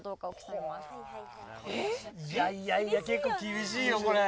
いやいや結構厳しいよこれ。